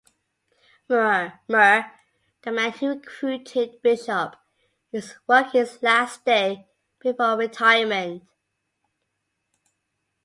Muir, the man who recruited Bishop, is working his last day before retirement.